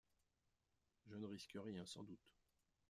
Je ne risque rien sans doute.